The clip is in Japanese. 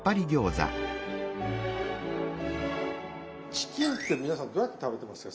チキンって皆さんどうやって食べてますか？